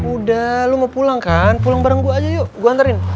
udah lu mau pulang kan pulang bareng gue aja yuk gue ntarin